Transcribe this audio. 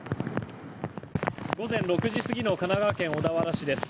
午前６時過ぎの神奈川県小田原市です。